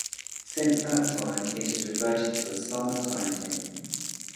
Since that time it has reverted to a summer timetable.